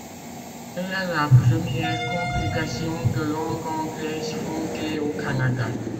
Elle est la première congrégation de langue anglaise fondée au Canada.